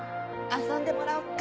遊んでもらおうか。